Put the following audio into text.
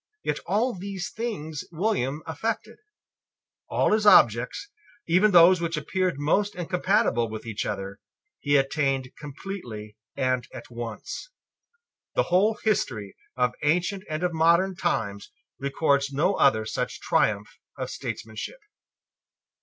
Yet all these things William effected. All his objects, even those which appeared most incompatible with each other, he attained completely and at once. The whole history of ancient and of modern times records no other such triumph of statesmanship.